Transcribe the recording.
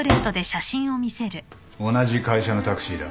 同じ会社のタクシーだ。